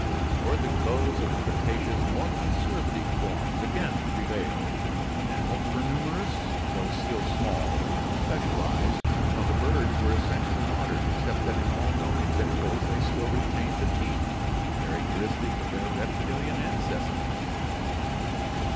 Toward the close of the Cretaceous more conservative forms again prevailed. Mam mals were numerous though still small and unspecialized, while the birds were essentially modern except that in all known ex amples they still retained the teeth characteristic of their reptilian ancestors.